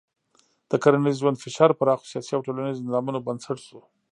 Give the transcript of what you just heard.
د کرنیز ژوند فشار پراخو سیاسي او ټولنیزو نظامونو بنسټ شو.